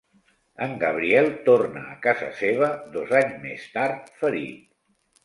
En Gabriel torna a casa seva dos anys més tard, ferit.